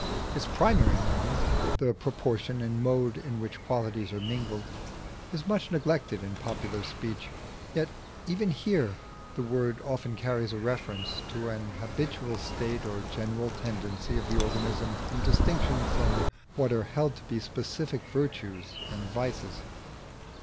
Its primary meaning, the proportion and mode in which qualities are mingled, is much neglected in popular speech, yet even here the word often carries a reference to an habitual state or general tendency of the organism in distinction from what are held to be specific virtues and vices.